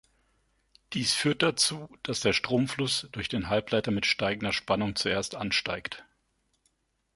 Dies führt dazu, dass der Stromfluss durch den Halbleiter mit steigender Spannung zuerst ansteigt.